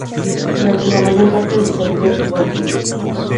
Durante la mayor parte de su servicio, estuvo en Sind.